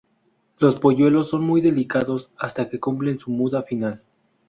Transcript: Los polluelos son muy delicados hasta que cumplen su muda final.